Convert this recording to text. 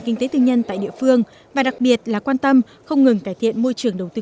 kinh tế tư nhân tại địa phương và đặc biệt là quan tâm không ngừng cải thiện môi trường đầu tư